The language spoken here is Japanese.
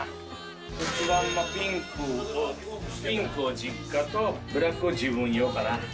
骨盤のピンクピンクを実家とブラックを自分用かな。